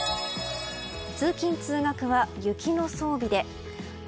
通勤・通学は雪の装備で。